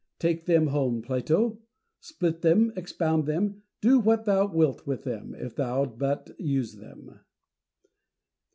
Take them home, Plato ; split them, expound them ; do what thou wilt with them, if thou but use them.